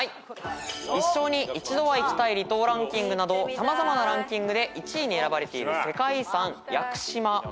一生に一度は行きたい離島ランキングなど様々なランキングで１位に選ばれている世界遺産屋久島。